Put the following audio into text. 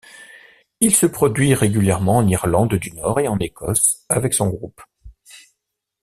Il se produit régulièrement en Irlande du Nord et en Écosse, avec son groupe.